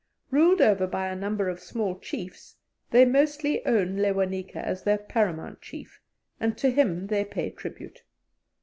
Ruled over by a number of small chiefs, they mostly own Lewanika as their paramount chief, and to him they pay tribute.